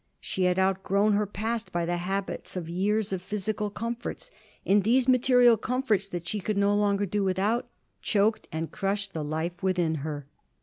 She had outgrown her past by the habits of years of physical comforts, and these material comforts that she could no longer do without choked and crushed the life within her.